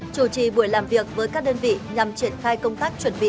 chủ trì buổi làm việc với các đơn vị nhằm triển khai công tác chuẩn bị